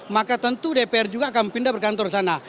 maka tentu dpr juga akan pindah berkantor sana